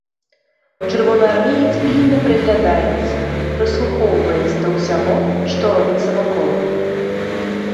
Чырвонаармеец пільна прыглядаецца, прыслухоўваецца да ўсяго, што робіцца вакол.